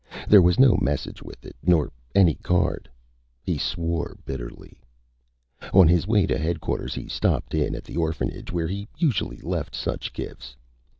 There was no message with it, nor any card. He swore bitterly. On his way to Headquarters he stopped in at the orphanage where he usually left such gifts.